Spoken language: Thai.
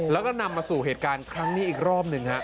แล้วก็นำมาสู่เหตุการณ์ครั้งนี้อีกรอบหนึ่งฮะ